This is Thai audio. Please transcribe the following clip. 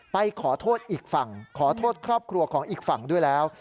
ไปขอโทษอีกฝั่งขอโทษครอบครัวของอีกฝั่งด้วยแล้ว